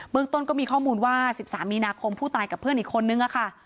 เมืองต้นก็มีข้อมูลว่า๑๓มีนาคมผู้ตายกับเพื่อนอีกคนนึงค่ะ